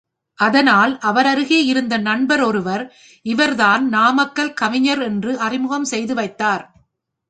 அதனால், அவரருகே இருந்த நண்பர் ஒருவர் இவர்தான் நாமக்கல் கவிஞர் என்று அறிமுகம் செய்து வைத்தார்.